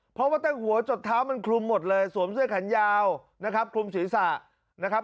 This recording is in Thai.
เพราะว่าใต้หัวจดเท้ามันคลุมหมดเลยสวมเสื้อแขนยาวนะครับคลุมศีรษะนะครับ